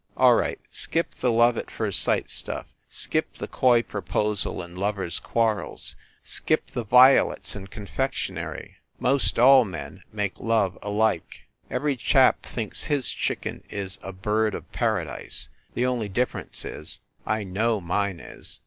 All right. Skip the love at first sight stuff, skip the coy proposal and lovers quarrels, skip the violets and confectionery. Most all men make love alike. Every chap thinks his chicken is a bird of paradise. The only difference is, I know mine is.